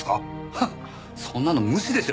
ハッそんなの無視でしょ。